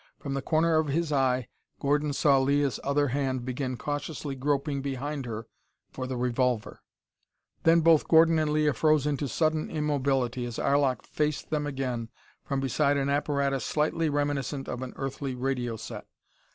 From the corner of his eye Gordon saw Leah's other hand begin cautiously groping behind her for the revolver. Then both Gordon and Leah froze into sudden immobility as Arlok faced them again from beside an apparatus slightly reminiscent of an earthly radio set.